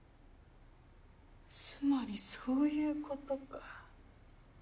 つまりそういうことか。